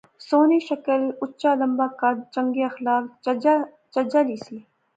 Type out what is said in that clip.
سوہنی شکل، اُچا لمبا قد، چنگے اخلاق، چجا لی سی